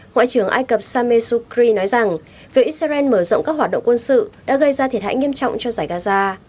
ngoại trưởng ai cập sameh sukri nói rằng việc israel mở rộng các hoạt động quân sự đã gây ra thiệt hại nghiêm trọng cho giải gaza